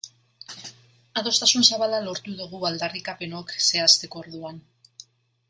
Adostasun zabala lortu dugu aldarrikapenok zehazteko orduan.